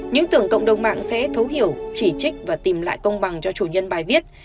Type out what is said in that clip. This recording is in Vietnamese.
những tưởng cộng đồng mạng sẽ thấu hiểu chỉ trích và tìm lại công bằng cho chủ nhân bài viết